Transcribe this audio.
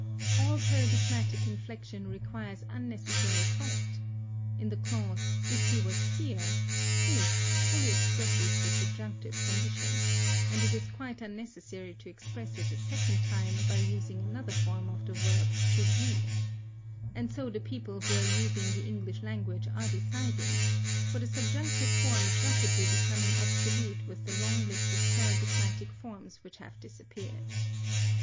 All paradigmatic inflection requires unnecessary thought. In the clause if he was here, if fully expresses the subjunctive condition, and it is quite unnecessary to express it a second time by using another form of the verb to be. And so the people who are using the English language are deciding, for the subjunctive form is rapidly becoming obsolete with the long list of paradigmatic forms which have disappeared.